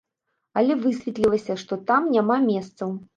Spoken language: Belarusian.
Але высветлілася, што там няма месцаў.